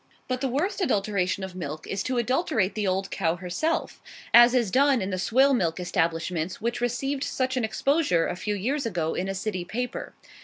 But the worst adulteration of milk is to adulterate the old cow herself; as is done in the swill milk establishments which received such an exposure a few years ago in a city paper.